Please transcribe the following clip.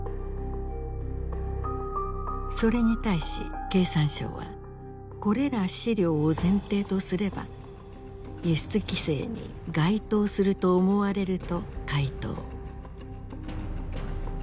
それに対し経産省はこれら資料を前提とすれば輸出規制に該当すると思われると回答。